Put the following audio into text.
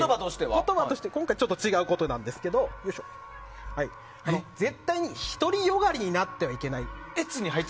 言葉としては今回違うんですが絶対に独りよがりになってはいけない。